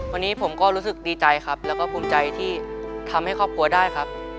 วันนี้ผมก็รู้สึกดีใจครับแล้วก็ภูมิใจที่ทำให้ครอบครัวได้ครับ